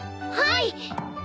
はい！